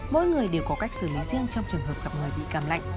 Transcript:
mỗi người đều có cách xử lý riêng trong trường hợp gặp người bị cảm lạnh